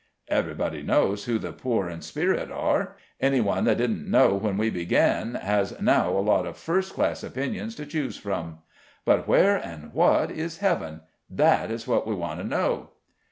Everybody knows who the poor in spirit are; any one that didn't know when we began has now a lot of first class opinions to choose from. But where and what is heaven that is what we want to know."